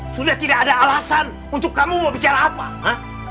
sudah tidak ada alasan untuk kamu mau bicara apa ah